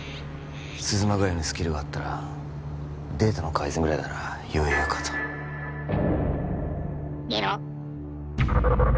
鈴間ぐらいのスキルがあったらデータの改ざんぐらいなら余裕かと「ゲロッ」